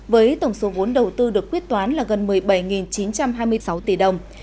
với tổng số vốn đầu tư được quyết toán là gần một mươi bảy chín trăm hai mươi sáu tỷ đồng